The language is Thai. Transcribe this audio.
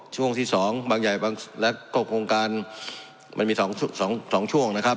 ช่วงสี่สองบางใหญ่บางและก็โครงการมันมีสองสองสองช่วงนะครับ